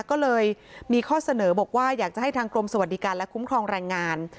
ก็เลยมีข้อเสนอบอกว่าอยากจะให้ทางกรมสวัสดิการและคุ้มครองแรงงาน